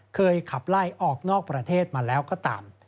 ขับไล่ออกนอกประเทศมาแล้วก็ตาม